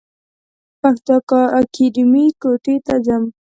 پښتو اکېډمۍ کوټي ته ځم.